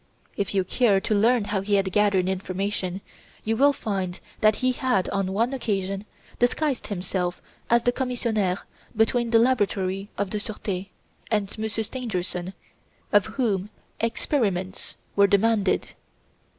If you care to learn how he had gathered information, you will find that he had, on one occasion, disguised himself as the commissionaire between the 'Laboratory of the Surete' and Monsieur Stangerson, of whom 'experiments' were demanded.